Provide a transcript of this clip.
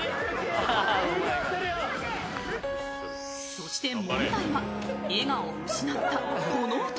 そして問題は笑顔を失ったこの男。